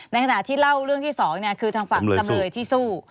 ในขณะที่เล่าเรื่องที่๒คือทางฝั่งจำเลยที่สู้